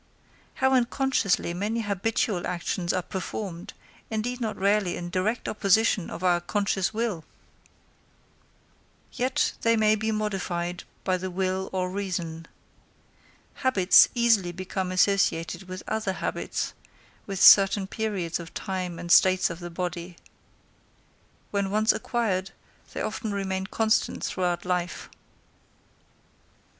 How unconsciously many habitual actions are performed, indeed not rarely in direct opposition to our conscious will! yet they may be modified by the will or reason. Habits easily become associated with other habits, with certain periods of time and states of the body. When once acquired, they often remain constant throughout life.